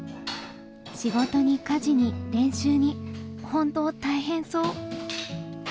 仕事に家事に練習に本当大変そう。